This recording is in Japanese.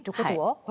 あれ？